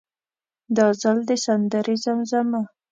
دا ځل د سندرې زمزمه.